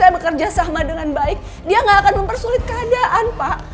saya bekerja sama dengan baik dia gak akan mempersulit keadaan pak